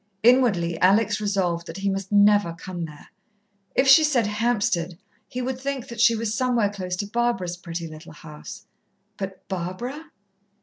Inwardly Alex resolved that he must never come there. If she said "Hampstead" he would think that she was somewhere close to Barbara's pretty little house. But Barbara?